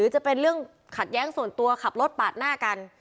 จะเป็นเรื่องขัดแย้งส่วนตัวขับรถปาดหน้ากัน